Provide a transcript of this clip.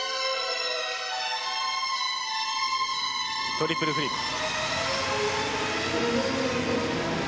トリプルフリップ。